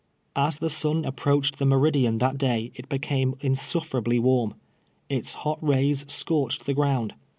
As the sun approaclied the meridian that day it Le canie insnft'erably warm. Its hot rays scorched the ground.